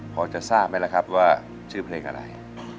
พอจะทราบไหมล่ะครับว่าชื่อเพลงอะไร